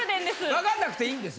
わかんなくていいんです。